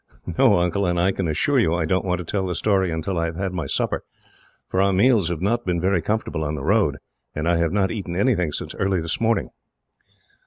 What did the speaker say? "No, Uncle; and I can assure you I don't want to tell the story until I have had my supper, for our meals have not been very comfortable on the road, and I have not eaten anything since early this morning."